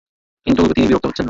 কিন্তু তিনি বিরক্ত হচ্ছেন না।